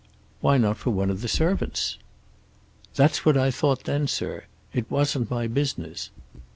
"Why not for one of the servants?" "That's what I thought then, sir. It wasn't my business.